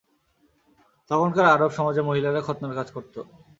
তখনকার আরব সমাজে মহিলারা খৎনার কাজ করত।